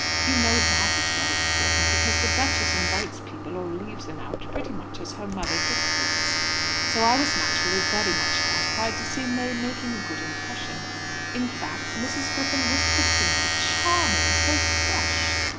You know that is very important, because the duchess invites people or leaves them out pretty much as her mother dictates. So I was naturally very much gratified to see May making a good impression. In fact, Mrs. Griffin whispered to me, 'Charming! So fresh.'